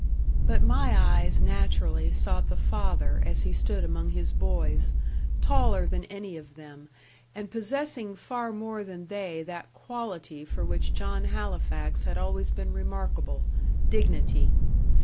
But my eyes naturally sought the father as he stood among his boys, taller than any of them, and possessing far more than they that quality for which John Halifax had always been remarkable dignity.